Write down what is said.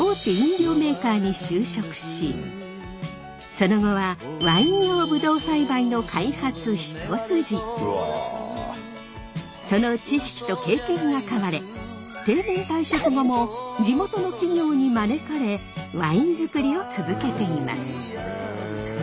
その後はその知識と経験が買われ定年退職後も地元の企業に招かれワイン作りを続けています。